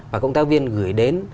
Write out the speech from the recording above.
và công tác viên gửi đến